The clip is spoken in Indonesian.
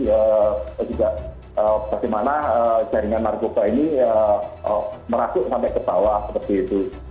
atau juga bagaimana jaringan narkoba ini merasuk sampai ke bawah seperti itu